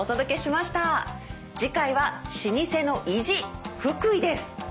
次回は「老舗の意地福井」です。